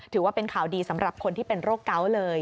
ถือว่าเป็นข่าวดีสำหรับคนที่เป็นโรคเกาะเลย